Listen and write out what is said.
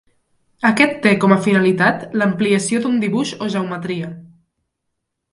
Aquest té com a finalitat l'ampliació d'un dibuix o geometria.